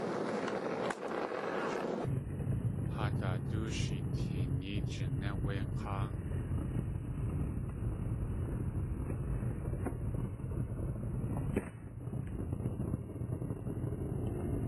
Haadaadóoshi teen yéi jiné wé k̲áa.